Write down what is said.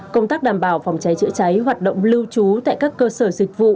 công tác đảm bảo phòng cháy chữa cháy hoạt động lưu trú tại các cơ sở dịch vụ